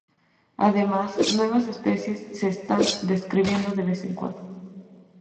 Además, nuevas especies se están describiendo de vez en cuando.